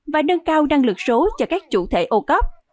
và nâng cao năng lực số cho các chủ thể ocop